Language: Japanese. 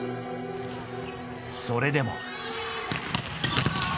それでも。